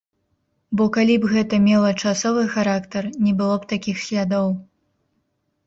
Бо калі б гэта мела часовы характар, не было б такіх слядоў.